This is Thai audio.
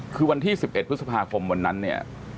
คือวันที่๑๑พฤษภาคมวันนั้นเนี่ย